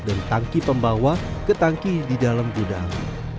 dan tangki pembawa ke tangki di dalam gudang